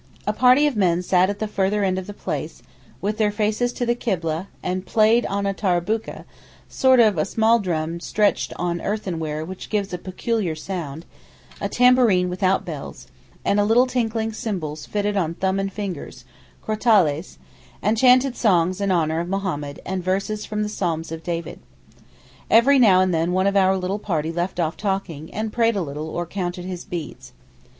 A party of men sat at the further end of the place, with their faces to the Kibleh, and played on a taraboukeh (sort of small drum stretched on earthenware which gives a peculiar sound), a tambourine without bells, and little tinkling cymbals fitting on thumb and fingers (crotales), and chanted songs in honour of Mohammed and verses from the Psalms of David. Every now and then one of our party left off talking, and prayed a little or counted his beads.